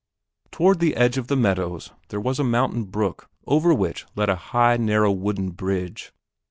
Toward the edge of the meadows there was a mountain brook over which led a high, narrow wooden bridge.